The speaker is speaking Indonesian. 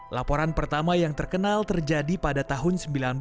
laporan pertama yang terkenal terjadi pada tahun seribu sembilan ratus sembilan puluh